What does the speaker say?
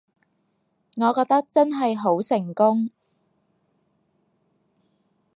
我覺得真係好成功